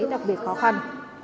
đặc biệt khó khăn